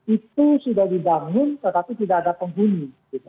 itu sudah dibangun tetapi tidak ada penghuni